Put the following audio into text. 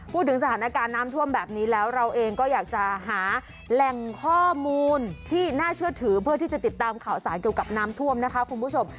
พูดถึงสถานการณ์น้ำท่วมแบบนี้แล้วเราเองก็อยากจะหาแหล่งข้อมูลที่น่าเชื่อถือเพื่อที่จะติดตามข่าวสารเกี่ยวกับน้ำท่วมนะคะคุณผู้ชม